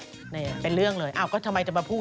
นี่เป็นเรื่องเลยอ้าวก็ทำไมจะมาพูด